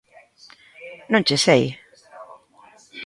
Non che sei!